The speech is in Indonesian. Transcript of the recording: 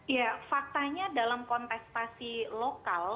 ya faktanya dalam kontestasi lokal